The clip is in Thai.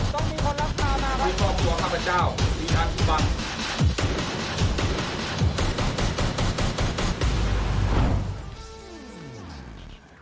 ต้องมีคนรักษามานะครับมีครอบครัวครับพระเจ้ามีทางอุบัติ